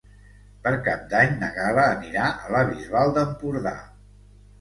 Per Cap d'Any na Gal·la anirà a la Bisbal d'Empordà.